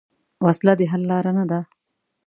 وسله د حل لار نه ده